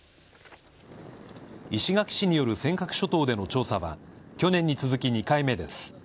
石垣市による尖閣諸島での調査は、去年に続き２回目です。